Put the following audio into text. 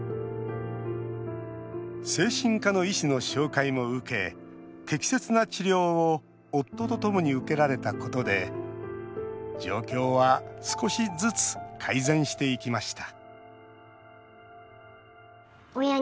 精神科の医師の紹介も受け適切な治療を夫とともに受けられたことで状況は少しずつ改善していきました